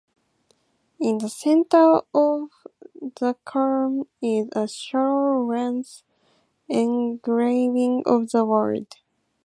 In the center of the column is a shallow lens engraving of the world.